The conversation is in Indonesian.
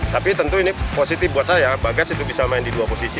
tapi tentu ini positif buat saya bagas itu bisa main di dua posisi